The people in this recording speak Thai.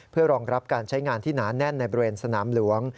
เพื่อรองรับการใช้งานที่หนาแน่นในบริเวณสนามหลวง